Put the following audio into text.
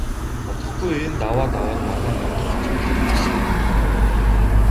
Удахгүй энэ даваа даваад манай мянгат цугларна гэсэн.